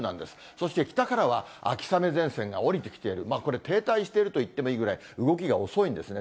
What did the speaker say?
そして北からは秋雨前線がおりてきている、これ、停滞しているといってもいいぐらい、動きが遅いんですね。